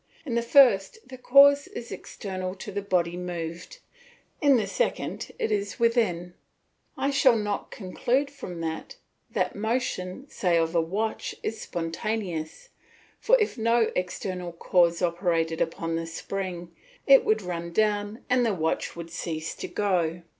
In the first the cause is external to the body moved, in the second it is within. I shall not conclude from that that the motion, say of a watch, is spontaneous, for if no external cause operated upon the spring it would run down and the watch would cease to go.